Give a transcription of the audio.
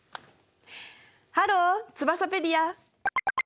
ハローツバサペディア！